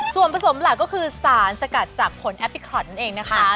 ส่วนผสมหลักก็คือสารสกัดจากผลแอปพลิครอนนั่นเองนะคะ